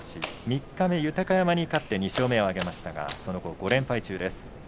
三日目、豊山に勝って２勝目を挙げましたがその後５連敗中です。